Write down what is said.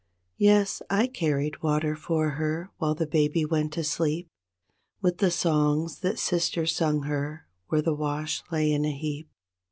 Yes, I carried water for her wliile the baby went to sleep With the songs that sister sung her where the wash lay in a heap.